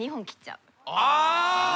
ああ。